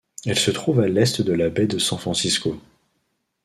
Elle se trouve à l'Est de la baie de San Francisco.